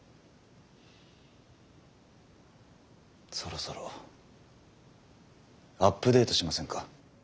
そろそろアップデートしませんか？